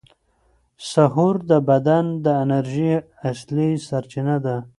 سحور د بدن د انرژۍ اصلي سرچینه ده.